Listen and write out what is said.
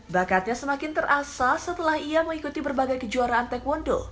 bakatnya semakin terasa setelah ia mengikuti berbagai kejuaraan taekwondo